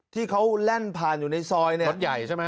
ที่เขาแล่นผ่านอยู่ในซอยเนี่ย